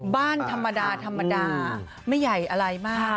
บ้านธรรมดาไม่ใหญ่อะไรมาก